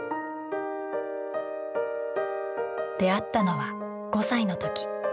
出会ったのは５歳の時。